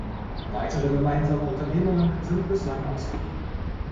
Weitere gemeinsame Unternehmungen sind bislang ausgeblieben.